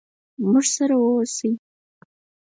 موږ سره ووسئ.